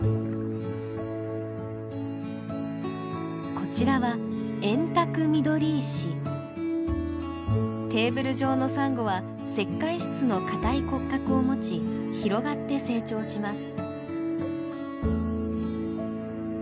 こちらはテーブル状のサンゴは石灰質の硬い骨格を持ち広がって成長します。